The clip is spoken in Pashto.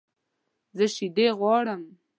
زه شیدې غواړم